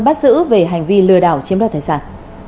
bắt giữ về hành vi lừa đảo chiếm đoạt tài sản